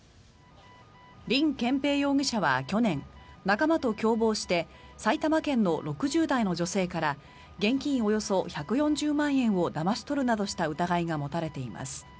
リン・ケンペイ容疑者は去年、仲間と共謀して埼玉県の６０代の女性から現金およそ１４０万円をだまし取るなどした疑いが持たれています。